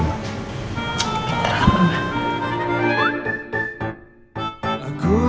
ntar aku mau ke rumah